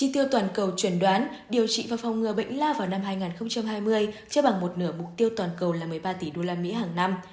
tiêu toàn cầu chuẩn đoán điều trị và phòng ngừa bệnh lao vào năm hai nghìn hai mươi cho bằng một nửa mục tiêu toàn cầu là một mươi ba tỷ usd hàng năm